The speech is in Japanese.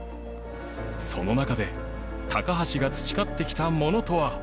その中で高橋が培ってきたものとは？